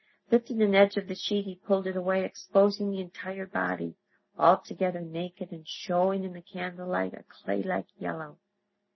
Lifting an edge of the sheet he pulled it away, exposing the entire body, altogether naked and showing in the candle light a clay like yellow.